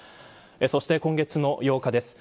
そして今月の８日です。